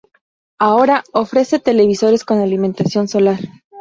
Ahora, ofrece televisores con alimentación solar.